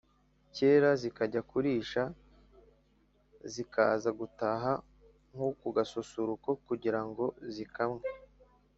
kare zikajya kurisha, zikaza gutaha nko ku gasusuruko kugira ngo zikamwe.